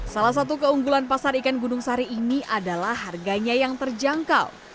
salah satu keunggulan pasar ikan gunung sari ini adalah harganya yang terjangkau